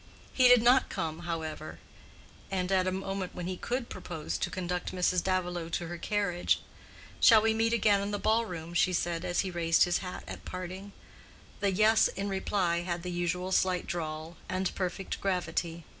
He did come, however, and at a moment when he could propose to conduct Mrs. Davilow to her carriage, "Shall we meet again in the ball room?" she said as he raised his hat at parting. The "yes" in reply had the usual slight drawl and perfect gravity.